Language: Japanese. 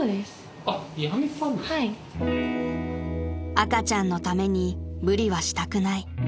［赤ちゃんのために無理はしたくない］